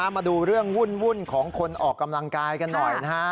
มาดูเรื่องวุ่นของคนออกกำลังกายกันหน่อยนะฮะ